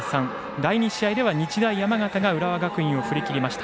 第２試合では日大山形が浦和学院を振り切りました。